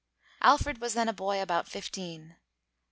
Alfred was then a boy about fifteen.